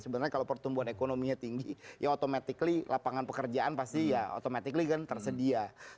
sebenarnya kalau pertumbuhan ekonominya tinggi ya otomatis lapangan pekerjaan pasti ya automatically kan tersedia